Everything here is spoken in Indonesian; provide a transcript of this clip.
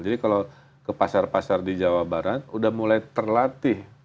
jadi kalau ke pasar pasar di jawa barat udah mulai terlatih